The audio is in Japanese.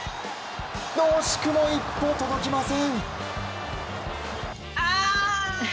惜しくも一歩届きません。